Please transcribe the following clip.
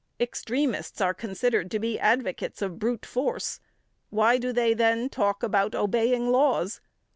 Extremists are considered to be advocates of brute force. Why do they, then, talk about obeying laws?